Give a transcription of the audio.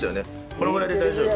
このぐらいで大丈夫。